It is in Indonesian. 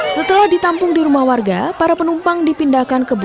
setelah ditampung di rumah warga para penumpang dipindahkan ke bukit